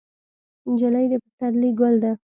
نجلۍ د پسرلي ګل ده.